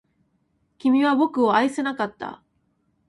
君は僕を愛せなかった